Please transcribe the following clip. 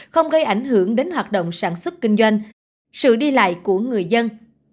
không gây ảnh hưởng đến hoạt động sản xuất kinh doanh sự đi lại của người dân